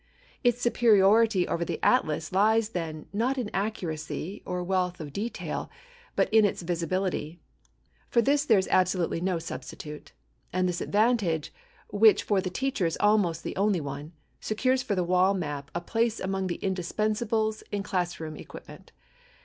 Its superiority over the atlas lies then, not in accuracy, or wealth of detail, but in its visibility. For this there is absolutely no substitute; and this advantage, which for the teacher is almost the only one, secures for the wall map a place among the indispensables in classroom equipment.